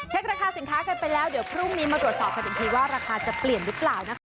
ราคาสินค้ากันไปแล้วเดี๋ยวพรุ่งนี้มาตรวจสอบกันอีกทีว่าราคาจะเปลี่ยนหรือเปล่านะคะ